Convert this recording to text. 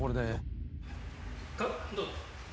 どうぞ。